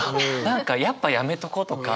何かやっぱやめとことか。